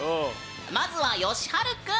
まずはよしはるくん！